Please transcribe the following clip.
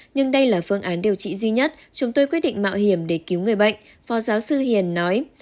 nhưng đây là phương án điều trị duy nhất chúng tôi quyết định mạo hiểm để cứu người bệnh phó giáo sư hiền nói